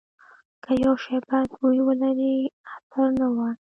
که یو شی بد بوی ولري عطر نه وایو.